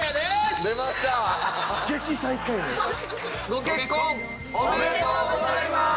ご結婚おめでとうございます！